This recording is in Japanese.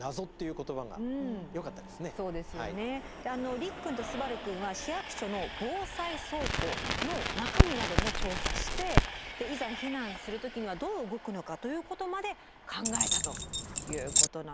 陸くんと統陽くんは市役所の防災倉庫の中身なども調査していざ避難する時にはどう動くのかということまで考えたということなんですよねヤモリン。